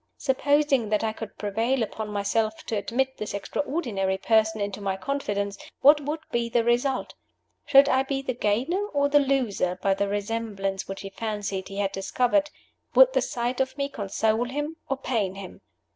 Supposing that I could prevail upon myself to admit this extraordinary person into my confidence, what would be the result? Should I be the gainer or the loser by the resemblance which he fancied he had discovered? Would the sight of me console him or pain him?